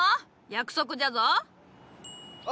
約束じゃぞ！